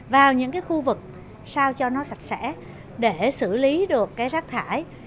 vào những khu vực sao cho nó sạch sẽ để xử lý được rác thải